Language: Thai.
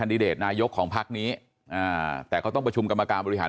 ดิเดตนายกของพักนี้อ่าแต่เขาต้องประชุมกรรมการบริหาร